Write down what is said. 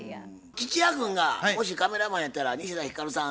吉弥君がもしカメラマンやったら西田ひかるさん